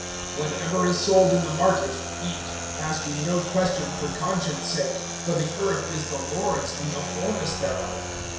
(25)Whatever is sold in the market eat, asking no question for conscience sake'; (26)for the earth is the Lord's, and the fullness thereof.